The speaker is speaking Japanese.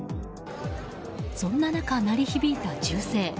そんな中、鳴り響いた銃声。